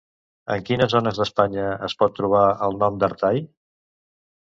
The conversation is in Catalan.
En quines zones d'Espanya es pot trobar el nom d'Artai?